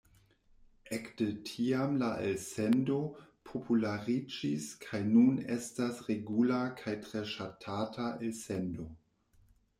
Ekde tiam la elsendo populariĝis kaj nun estas regula kaj tre ŝatata elsendo.